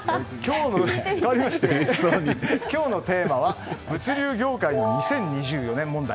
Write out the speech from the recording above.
かわりまして、今日のテーマは物流業界２０２４年問題。